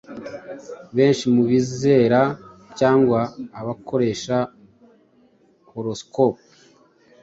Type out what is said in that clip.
Benshi mu bizera cyangwa abakoresha horoscope